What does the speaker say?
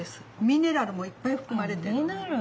ミネラルもいっぱい含まれてる。